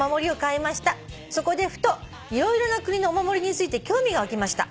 「そこでふと色々な国のお守りについて興味が湧きました。